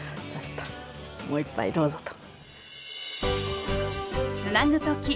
もう一杯どうぞと。